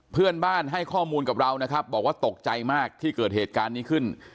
เพื่อนบ้านให้ข้อมูลกับเรานะครับบอกว่าตกใจมากที่เกิดเหตุการณ์นี้ขึ้น